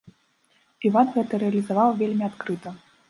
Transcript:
Іван гэта рэалізаваў вельмі адкрыта.